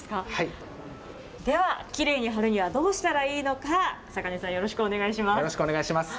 では、きれいに貼るにはどうしたらいいのか、坂根さん、よろしくお願いよろしくお願いします。